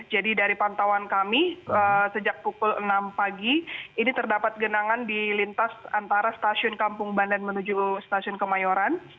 jadi dari pantauan kami sejak pukul enam pagi ini terdapat genangan di lintas antara stasiun kampung bandan menuju stasiun kemayoran